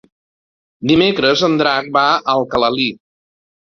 Dimecres en Drac va a Alcalalí.